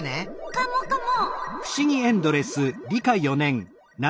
カモカモ！